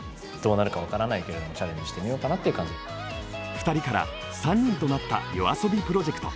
２人から３人となったＹＯＡＳＯＢＩプロジェクト。